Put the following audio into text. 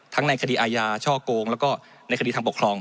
ในคดีอาญาช่อโกงแล้วก็ในคดีทางปกครอง